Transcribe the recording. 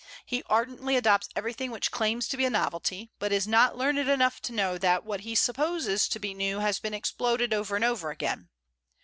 He ardently adopts everything which claims to be a novelty, but is not learned enough to know that what he supposes to be new has been exploded over and over again.